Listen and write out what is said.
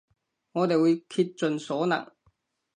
我哋會竭盡所能